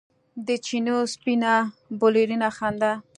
د چېنو سپینه بلورینه خندا